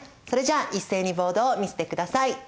それじゃあ一斉にボードを見せてください！